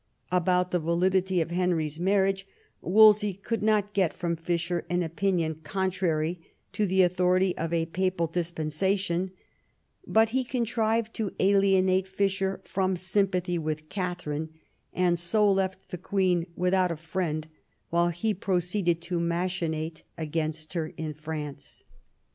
About the validity of Henry's marriage Wolsey could not get from Fisher an opinion contrary to the authority of a papal dispensa tion; but he contrived to alienate Fisher from sjrm pathy with Katharine, and so left the queen without a friend while he proceeded to machinate against her in France.